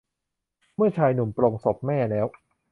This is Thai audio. เมื่อชายหนุ่มปลงศพแม่แล้ว